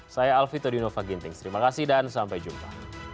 saya alvi todinova ginting terima kasih dan sampai jumpa